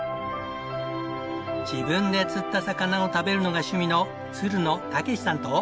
自分で釣った魚を食べるのが趣味のつるの剛士さんと。